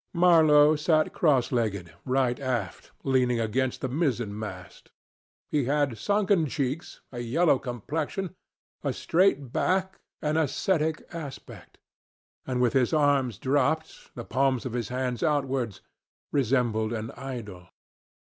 Marlow sat cross legged right aft, leaning against the mizzen mast. He had sunken cheeks, a yellow complexion, a straight back, an ascetic aspect, and, with his arms dropped, the palms of hands outwards, resembled an idol.